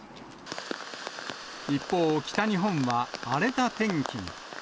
一方、北日本は荒れた天気に。